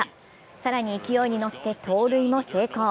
更に勢いに乗って盗塁も成功。